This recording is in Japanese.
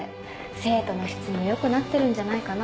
生徒の質も良くなってるんじゃないかな。